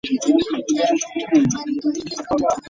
She is said to have been abducted by King Mordred.